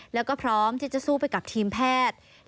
แล้วก็พร้อมที่จะสู้ไปกับทีมแพทย์